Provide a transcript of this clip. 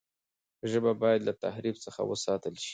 ژبه باید له تحریف څخه وساتل سي.